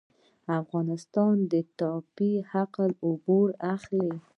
افغانستان د ټاپي حق العبور اخلي